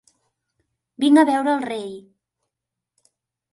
Vinc a veure el rei.